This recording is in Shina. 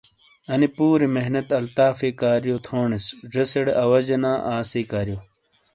انے پوری محنت الطافۓ کاریو تو تھونیس۔ زیسے ڑے آواجے نا آسی کاریو۔